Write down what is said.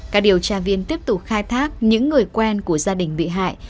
các điều tra viên tiếp tục khai thác những người quen của gia đình bị hại